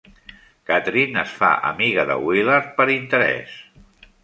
Cathryn es fa amiga de Willard per interès.